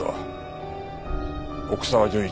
奥沢純一。